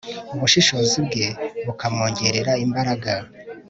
ubushishozi bwe bukamwongerera imbaraga